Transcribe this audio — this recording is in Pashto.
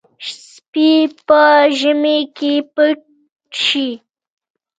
سپي په ژمي کې پټ شي.